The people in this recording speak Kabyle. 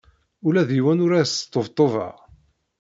Ula d yiwen ur as-sṭebṭubeɣ.